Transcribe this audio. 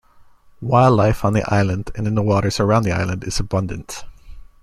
Wildlife on the island and in the waters around the island is abundant.